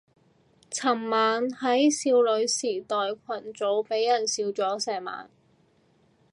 尋晚喺少女時代群組俾人笑咗成晚